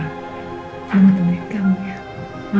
mama teman kamu ya